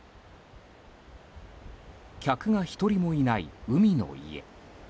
客が１人もいない海の家。